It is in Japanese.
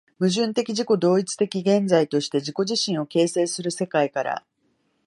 矛盾的自己同一的現在として自己自身を形成する世界から、